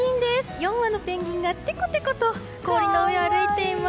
４羽のペンギンがてこてこと氷の上を歩いています。